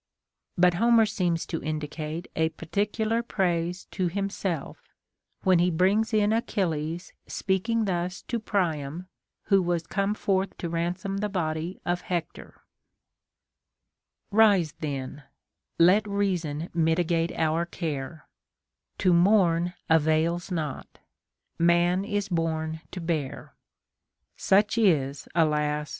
7. But Homer seems to indicate a particular praise to himself, when he brings in Achilles speaking thus to Priam, who was come forth to ransom the body of Hector :— Rise then ; let reason mitigate our care : To mourn avails not : man is born to bear. Such is, alas